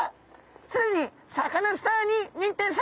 既にサカナスターに認定されております